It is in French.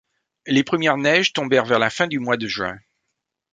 Les premières neiges tombèrent vers la fin du mois de juin